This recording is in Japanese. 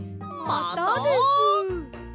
またです。